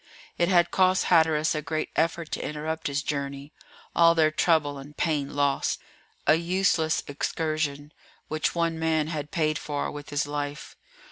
It had cost Hatteras a great effort to interrupt his journey. All their trouble and pain lost! A useless excursion, which one man had paid for with his life.